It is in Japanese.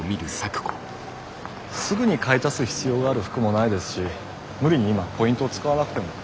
すぐに買い足す必要がある服もないですし無理に今ポイントを使わなくても。